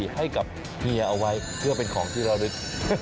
ให้กับเฮียเอาไว้เพื่อเป็นของที่ระลึก